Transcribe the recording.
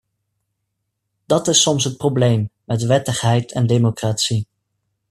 Dat is soms het probleem met wettigheid en democratie.